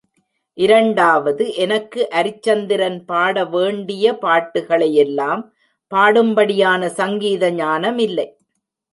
இரண்டாவது, எனக்கு அரிச்சந்திரன் பாட வேண்டிய பாட்டுகளை யெல்லாம் பாடும்படியான சங்கீத ஞானமில்லை.